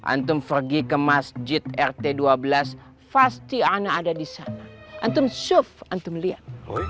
antum pergi ke masjid rt dua belas pasti anak ada di sana antum shove antum lihat